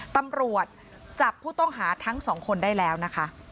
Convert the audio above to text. ตำรวจจับผู้ต้องหาทั้งสองคนได้แล้วนะคะ